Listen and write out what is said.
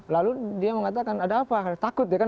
lalu dia mengatakan ada apa takut ya kan